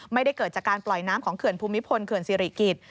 ไม่ได้เกิดจากการปล่อยน้ำของเขื่อนภูมิพลเขื่อนสิริกิจ